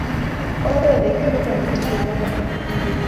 Oret ne kilipane tuguk kumagat